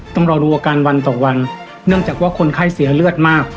ต้องรอดูอาการวันต่อวันเนื่องจากว่าคนไข้เสียเลือดมาก